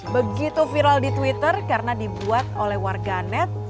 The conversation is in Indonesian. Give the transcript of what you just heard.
begitu viral di twitter karena dibuat oleh warganet